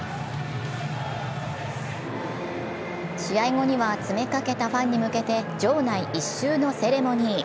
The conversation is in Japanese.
試合後には、詰めかけたファンに向けて場内一周のセレモニー。